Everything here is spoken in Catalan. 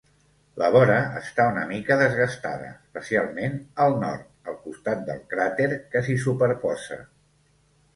La vora està una mica desgastada, especialment al nord, al costat del cràter que s'hi superposa.